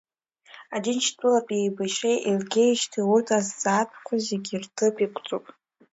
Аџьынџьтәылатә еибашьра еилгеижьҭеи урҭ азҵаатәқәа зегьы рҭыԥ иқәҵоуп.